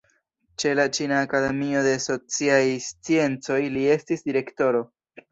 Ĉe la Ĉina Akademio de Sociaj Sciencoj li estis direktoro.